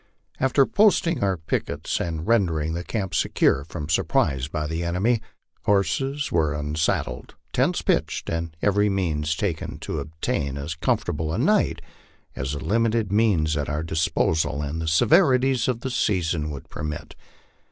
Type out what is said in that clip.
After posting our pickets and rendering the camp secure from surprise by the enemy, horses were unsad dled, tents pitched, and every means taken to obtain as comfortable a night ag the limited means at our disposal and the severities of the season would per mit.